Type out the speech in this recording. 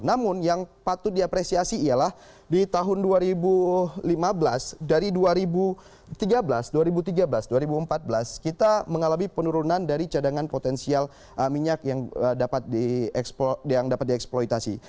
namun yang patut diapresiasi ialah di tahun dua ribu lima belas dari dua ribu tiga belas dua ribu tiga belas dua ribu empat belas kita mengalami penurunan dari cadangan potensial minyak yang dapat dieksploitasi